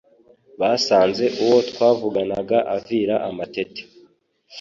Basanze uwo twavuganaga avira amatete